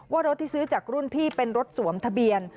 ว่ารถที่ซื้อจากรุ่นพี่เป็นรถสวมทะเบียน